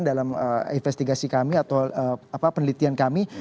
dalam investigasi kami atau penelitian kami